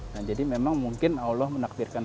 nah jadi memang mungkin allah menakdirkan